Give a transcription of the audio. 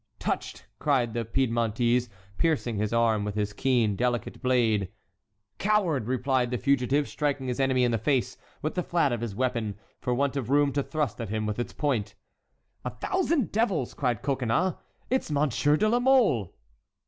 "Touched!" cried the Piedmontese, piercing his arm with his keen, delicate blade. "Coward!" replied the fugitive, striking his enemy in the face with the flat of his weapon, for want of room to thrust at him with its point. "A thousand devils!" cried Coconnas; "it's Monsieur de la Mole!"